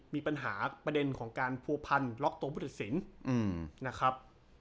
มีปัญหาประเด็นของการผัวพันล็อกตัวผู้ตัดสินนะครับ